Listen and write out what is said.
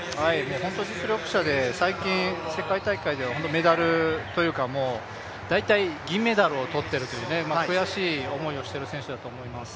本当に実力者で最近、世界大会ではメダルというか大体銀メダルを取っているという、悔しい思いをしている選手だと思います。